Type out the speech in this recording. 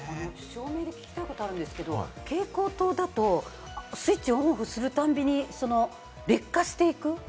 照明で聞きたいことがあるんですけど、蛍光灯だとスイッチをオン・オフするたびに劣化していく？